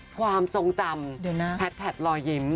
ความทรงจำแพทลอยยิ้ม